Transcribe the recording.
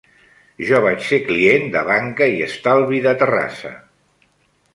Jo vaig ser client de Banca i Estalvi de Terrassa.